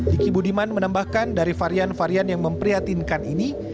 diki budiman menambahkan dari varian varian yang memprihatinkan ini